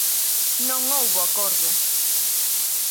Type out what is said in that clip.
Non houbo acordo.